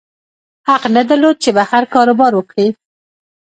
حق نه درلود چې بهر کاروبار وکړي.